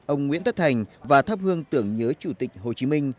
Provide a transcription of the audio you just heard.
ông nguyễn tất thành và thắp hương tưởng nhớ chủ tịch hồ chí minh